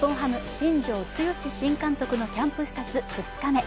新監督のキャンプ視察２日目。